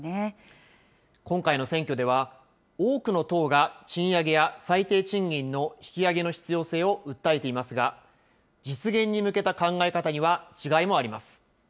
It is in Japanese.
今回の選挙では、多くの党が賃上げや最低賃金の引き上げの必要性を訴えていますが、実現に向けた考え方には違いもあります。